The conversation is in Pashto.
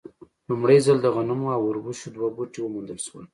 لومړی ځل د غنمو او اوربشو دوه بوټي وموندل شول.